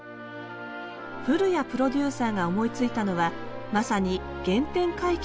古屋プロデューサーが思いついたのはまさに原点回帰といえるもの。